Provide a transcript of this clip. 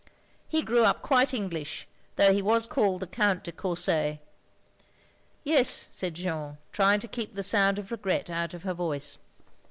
He grew up quite English though he was called the Count de Courset." "Yes, " said Jeanne, trying to keep the sound of regret out of her voice.